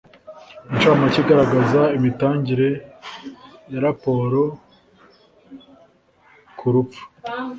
incamake igaragaza imitangire ya raporo ku rupfu